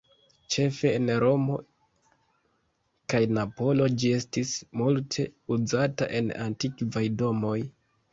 Ĉefe en Romo kaj Napolo ĝi estis multe uzata en antikvaj domoj.